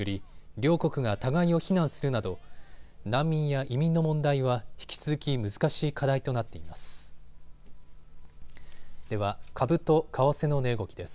両国が互いを非難するなど難民や移民の問題は引き続き難しい課題となっています。